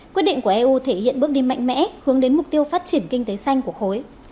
quyết định của eu thể hiện bước đi mạnh mẽ hướng đến mục tiêu phát triển kinh tế xanh của khối